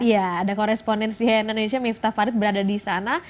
ya ada korespondensi indonesia miftah farid berada di sana